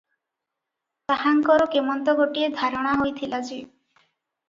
ତାହାଙ୍କର କେମନ୍ତ ଗୋଟିଏ ଧାରଣା ହୋଇଥିଲା ଯେ